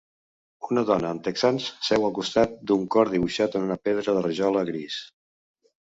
Una dona amb texans seu al costat d'un cor dibuixat en una pedra de rajola gris.